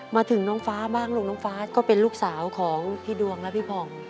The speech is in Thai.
มาถึงน้องฟ้าบ้างลูกน้องฟ้าก็เป็นลูกสาวของพี่ดวงและพี่ผ่อง